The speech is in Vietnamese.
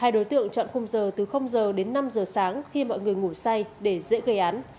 hai đối tượng chọn khung giờ từ giờ đến năm giờ sáng khi mọi người ngủ say để dễ gây án